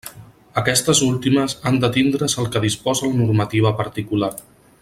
Aquestes últimes han d'atindre's al que disposa la normativa particular.